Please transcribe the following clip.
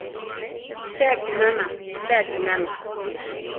Pe akinana, pe akinana!